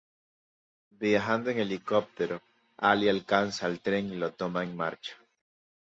Viajando en helicóptero Hale alcanza al tren y lo toma en marcha.